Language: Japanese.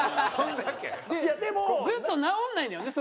ずっと治んないのよね